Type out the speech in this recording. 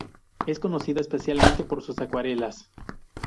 Es conocido especialmente por sus acuarelas.